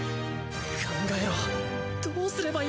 考えろどうすればいい！？